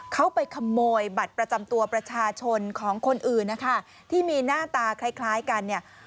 เขาไปขโมยบัตรประจำตัวประชาชนของคนอื่นนะคะที่มีหน้าตาคล้ายกันเนี่ย